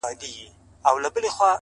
• څوك به ليكي قصيدې د كونړونو,